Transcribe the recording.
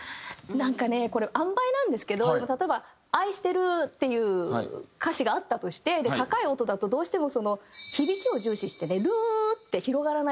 なんかねこれあんばいなんですけど例えば「愛してる」っていう歌詞があったとして高い音だとどうしても響きを重視して「るー！」って広がらないから。